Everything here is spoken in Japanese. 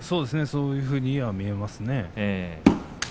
そういうふうには見えますね。